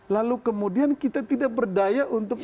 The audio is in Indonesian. lalu kemudian kita tidak berdaya untuk